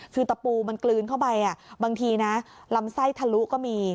คือตะปูมันกลืนเข้าไปบางทีนะลำไส้ทะลุก็มี